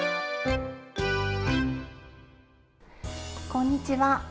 こんにちは。